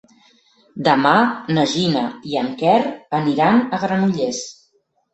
Demà na Gina i en Quer aniran a Granollers.